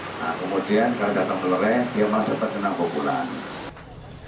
nah kemudian kalau datang melereng dia malah dapat kena pukulan